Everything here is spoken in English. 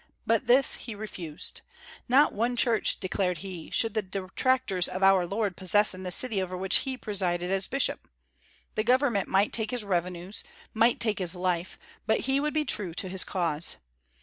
But this he refused. Not one church, declared he, should the detractors of our Lord possess in the city over which he presided as bishop. The Government might take his revenues, might take his life; but he would be true to his cause.